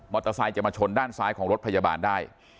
เตอร์ไซค์จะมาชนด้านซ้ายของรถพยาบาลได้